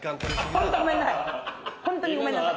ホントごめんなさい。